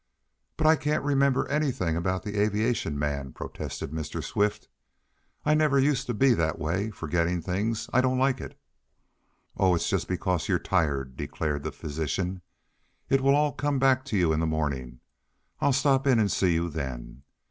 "But I can't remember anything about that aviation man," protested Mr. Swift. "I never used to be that way forgetting things. I don't like it!" "Oh, it's just because you're tired," declared the physician. "It will all come back to you in the morning. I'll stop in and see you then.